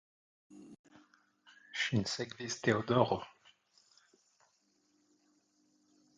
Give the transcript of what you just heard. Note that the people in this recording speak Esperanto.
Ŝin sekvis Teodoro.